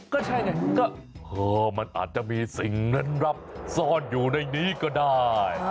ก็ใช่ไงก็เออมันอาจจะมีสิ่งเล่นลับซ่อนอยู่ในนี้ก็ได้